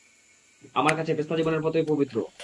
আমার কাছে, পেস্তা জীবনের মতোই পবিত্র।